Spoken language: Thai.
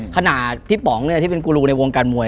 ขณะพี่ป๋องที่เป็นกูรูในวงการมวย